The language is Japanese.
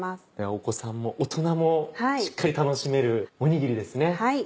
お子さんも大人もしっかり楽しめるおにぎりですね。